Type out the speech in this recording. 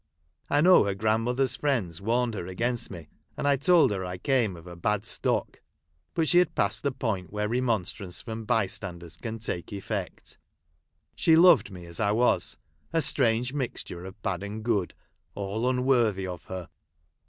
I knoAV her grandmother's friends warned her against me, and told her I came of a bad stock ; but she had passed the point where remonstrance from bystanders can take eifect — she loved me as I was, a strange mixture of bad and good, all unworthy of her.